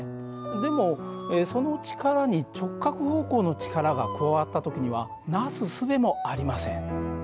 でもその力に直角方向の力が加わった時にはなすすべもありません。